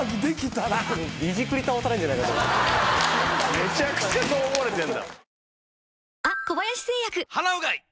むちゃくちゃそう思われてんだ。